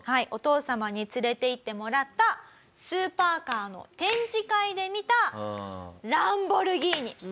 お父様に連れて行ってもらったスーパーカーの展示会で見たランボルギーニ。